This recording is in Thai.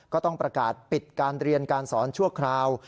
ก็ต้องประกาศปิดการเรียนการสอนชั่วคราว